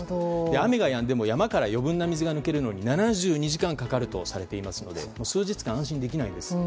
雨がやんでも山から余分な水が抜けるのに７２時間かかるとされていますので数日間安心できないんです。